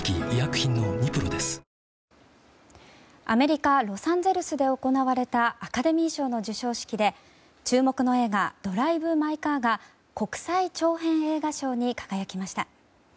アメリカ・ロサンゼルスで行われたアカデミー賞の授賞式で注目の映画「ドライブ・マイ・カー」が国際長編映画賞に輝きました。